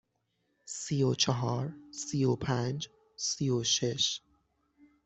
سی و چهار، سی و پنج، سی و شش.